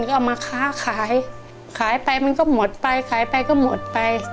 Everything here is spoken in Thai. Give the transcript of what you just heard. ก็เอามาค้าขายขายไปมันก็หมดไปขายไปก็หมดไป